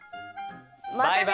またね！